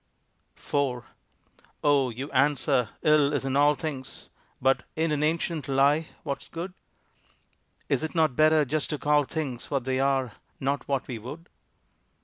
IV "O," you answer, "ill is in all things." But in an ancient lie what's good? Is it not better just to call things What they are not what we would?